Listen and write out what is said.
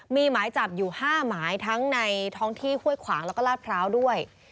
มีหมายจับอยู่๕หมายทั้งในท้องที่ห้วยขวางแล้วก็ลาดพร้าวด้วย